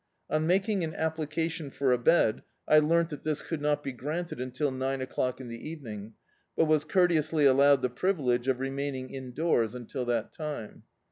On making an application for a bed, I leamt that this could not be granted until nine o'clock in the evening, but was courteously allowed the privilege of remaining indoors until that time.